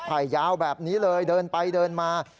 ไผ่ยาวแบบนี้เลยเดินไปเดินมา